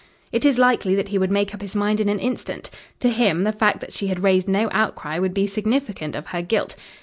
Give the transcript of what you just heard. "It is likely that he would make up his mind in an instant. To him the fact that she had raised no outcry would be significant of her guilt.